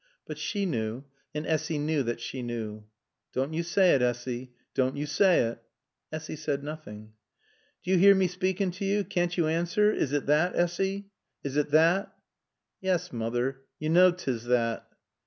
But she knew and Essy knew that she knew. "Doan yo saay it, Assy. Doan yo saay it." Essy said nothing. "D'yo 'ear mae speaakin' to yo? Caann't yo aanswer? Is it thot, Assy? Is it thot?" "Yas, moother, yo knaw 'tis thot."